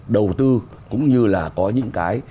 đầu tư cũng như là có những cái